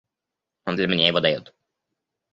Он для меня его дает.